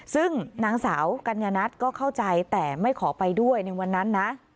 ซึ่งนางสาวกัญญนัทก็เข้าใจแต่ไม่ขอไปด้วยในวันนั้นนะ